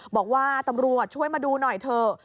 บอกว่าตำรวจช่วยมาดูหน่อยเถอะ